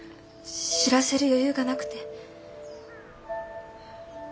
知らせる余裕がなくて。